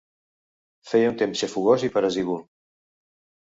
Feia un temps xafogós i peresívol.